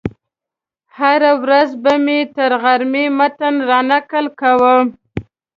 هره ورځ به مې تر غرمې متن رانقل کاوه.